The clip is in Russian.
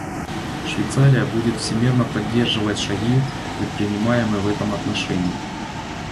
Швейцария будет всемерно поддерживать шаги, предпринимаемые в этом отношении.